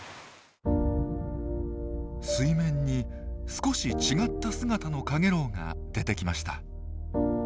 水面に少し違った姿のカゲロウが出てきました。